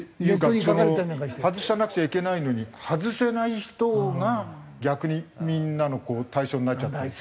外さなくちゃいけないのに外せない人が逆にみんなの対象になっちゃったり。